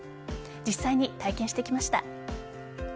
実際に体験してきました。